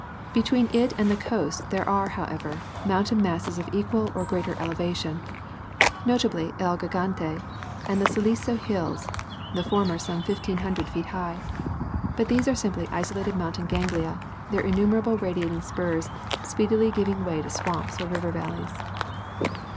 Between it and the coast there are, however, mountain masses of equal or greater elevation, notably " El Gigante " and the Silico hills, the former some fifteen hundred feet high, but these are simply isolated mountain ganglia, their innumerable radiating spurs speedily giving way to swamps or river valleys.